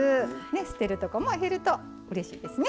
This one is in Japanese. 捨てるとこも減るとうれしいですね。